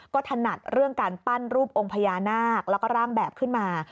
ก็ถนัดเรื่องการปั้นรูปองค์พญานาคแล้วก็ร่างแบบขึ้นมา